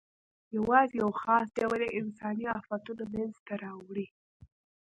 یواځې یو خاص ډول یې انساني آفتونه منځ ته راوړي.